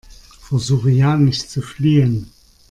Versuche ja nicht zu fliehen!